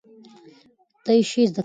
نه یې شې زده کولی؟